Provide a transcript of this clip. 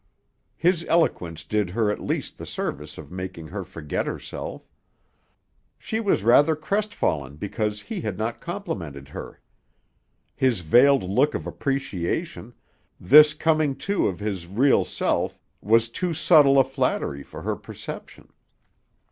His eloquence did her at least the service of making her forget herself. She was rather crestfallen because he had not complimented her; his veiled look of appreciation, this coming to of his real self was too subtle a flattery for her perception.